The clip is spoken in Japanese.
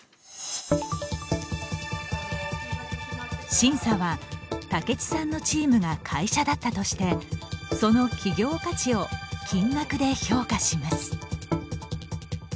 審査は、武智さんのチームが会社だったとしてその企業価値を金額で評価します。